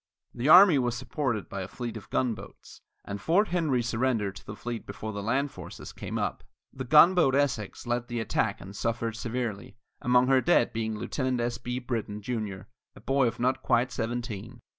The army was supported by a fleet of gunboats, and Fort Henry surrendered to the fleet before the land forces came up. The gunboat Essex led the attack and suffered severely, among her dead being Lieutenant S. B. Brittan, Jr., a boy of not quite seventeen.